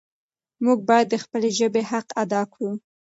موږ باید د خپلې ژبې حق ادا کړو.